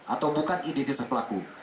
atau bukan identitas pelaku